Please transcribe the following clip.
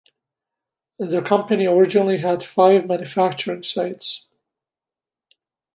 The company originally had five manufacturing sites.